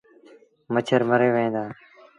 مڇر مري وهيݩ دآ۔